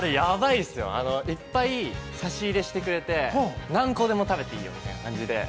いっぱい差し入れしてくれて何個でも食べていいよみたいな感じで。